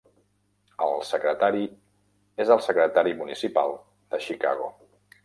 El secretari és el Secretari municipal de Chicago.